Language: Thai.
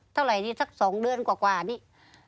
เท่าไหร่นี้สักสองเดือนกว่ากว่านี้